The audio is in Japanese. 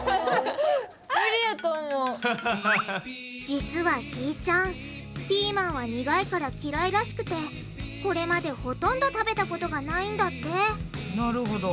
実はひーちゃんピーマンは苦いから嫌いらしくてこれまでほとんど食べたことがないんだってなるほど。